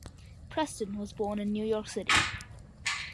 Preston was born in New York City.